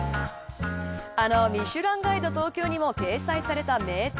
あのミシュランガイド東京にも掲載された名店。